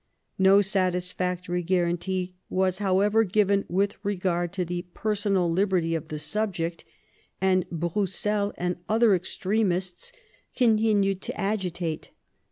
No satisfactory guarantee was, however, given with regard to the personal liberty of the subject, and Broussel and other extremists continued to agitate.